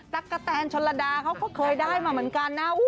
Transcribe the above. กะแตนชนระดาเขาก็เคยได้มาเหมือนกันนะ